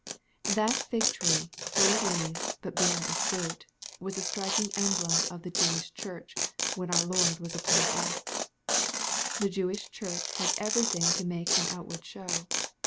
(^That fig tree, full of leaves, but barren of fruit, was a striking emblem of the Jewish church, when our Lord was upon earth/ The Jewish church had everything to make an outward show.